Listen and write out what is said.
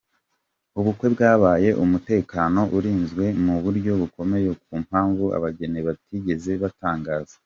Ubukwe bwabaye umutekano urinzwe mu buryo bukomeye ku mpamvu abageni batigeze batangaza.